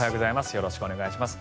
よろしくお願いします。